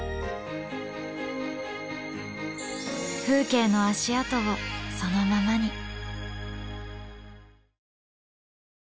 風景の足跡をそのままに。